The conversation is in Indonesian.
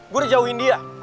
gue udah jauhin dia